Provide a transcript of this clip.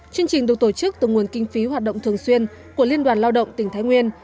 chương trình được tổ chức từ nguồn kinh phí hoạt động thường xuyên của liên đoàn lao động tỉnh thái nguyên